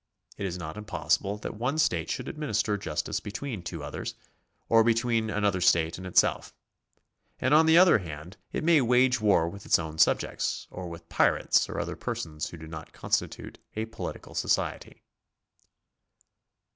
It is not impossible that one state should administer justice between two others, or between another state and itself. xA.nd on the other hand, it may wage war with its own subjects, or with pirates or other persons who do not constitute a political society.